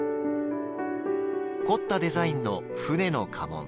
凝ったデザインの船の家紋。